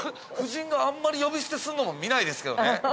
夫人があんまり呼び捨てするのも見ないですけどね。